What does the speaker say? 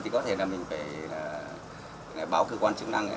thì có thể là mình phải báo cơ quan chức năng